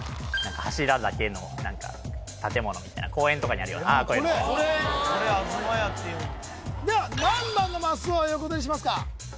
柱だけの何か建物みたいな公園とかにあるようなあっこういうの・これ四阿っていうんだでは何番のマスをヨコドリしますか？